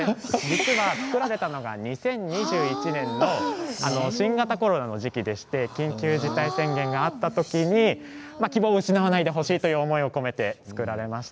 作られたのが２０２１年の新型コロナの時期でして緊急事態宣言があった時に希望を失わないでほしいという思いを込めて作られました。